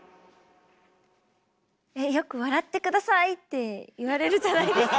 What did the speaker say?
よく「笑って下さい」って言われるじゃないですか。